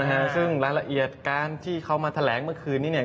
นะฮะซึ่งรายละเอียดการที่เขามาแถลงเมื่อคืนนี้เนี่ย